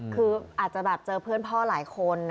คืออาจจะแบบเจอเพื่อนพ่อหลายคน